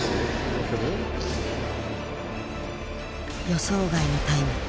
予想外のタイム。